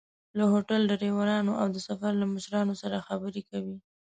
له هوټل، ډریورانو او د سفر له مشرانو سره خبرې کوي.